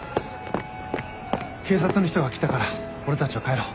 警察の人が来たから俺たちは帰ろう。